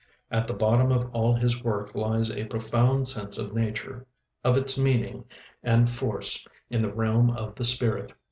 At the bottom of all his work lies a profound sense of nature, of its meaning and force in the realm of the spirit.